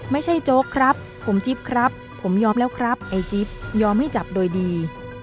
โจ๊กครับผมจิ๊บครับผมยอมแล้วครับไอ้จิ๊บยอมให้จับโดยดี